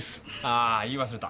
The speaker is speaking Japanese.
あ言い忘れた。